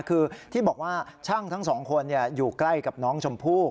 คือที่บอกว่าช่างทั้งสองคนอยู่ใกล้กับน้องชมพู่